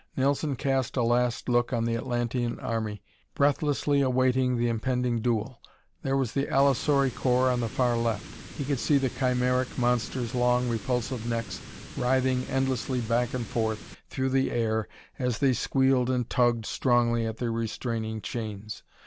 Nelson cast a last look on the Atlantean army, breathlessly awaiting the impending duel. There was the allosauri corps on the far left; he could see the chimeric monsters' long, repulsive necks writhing endlessly back and forth through the air as they squealed and tugged strongly at their restraining chains.